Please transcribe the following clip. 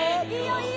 いいよ！